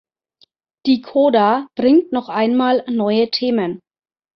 Die Coda bringt noch einmal neue Themen.